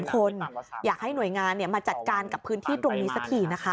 คนอยากให้หน่วยงานมาจัดการกับพื้นที่ตรงนี้สักทีนะคะ